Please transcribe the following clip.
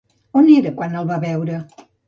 On era quan el va veure?